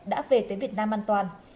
đã về tới việt nam an toàn